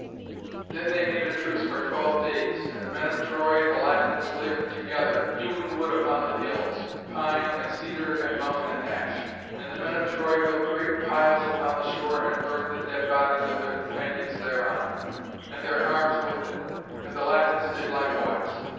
Then they made a truce for twelve days. And the men of Troy and the Latins laboured together, hewing wood upon the hills, pine and cedar and mountain ash. And the men of Troy built great piles upon the shore and burned the dead bodies of their companions thereon, and their arms with them. And the Latins did likewise.